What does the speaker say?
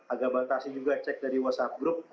agak batasi juga cek dari whatsapp group